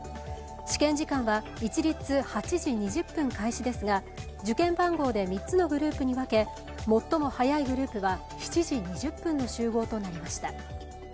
試験時間は一律８時２０分開始ですが受験番号で３つのグループに分け最も早いグループは７時２０分の集合となりました。